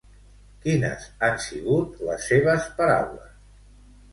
Quines han sigut les seves paraules?